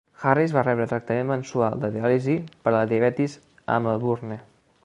Harris va rebre tractament mensual de diàlisi per a la diabetis a Melbourne.